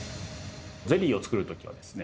ゼリーを作る時はですね